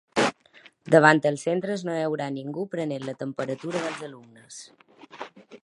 Davant els centres no hi haurà ningú prenent la temperatura dels alumnes.